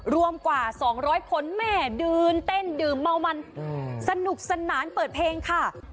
รวมกว่า๒๐๐คนแม่เดินเต้นดื่มเมามันสนุกสนานเปิดเพลงค่ะ